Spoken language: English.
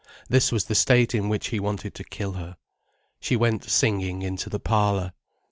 This was the state in which he wanted to kill her. She went singing into the parlour.